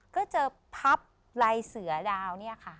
ก็เจอพับลายเสือดาวเนี่ยค่ะ